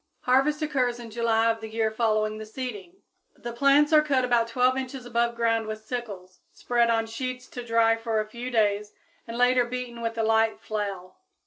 Harvest occurs in July of the year following the seeding. The plants are cut about 12 inches above ground with sickles, spread on sheets to dry for a few days, and later beaten with a light flail.